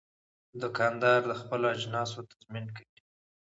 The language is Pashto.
دوکاندار د خپلو اجناسو تضمین کوي.